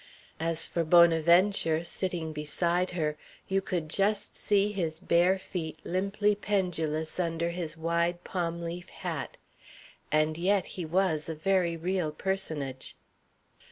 As for Bonaventure, sitting beside her, you could just see his bare feet limply pendulous under his wide palm leaf hat. And yet he was a very real personage.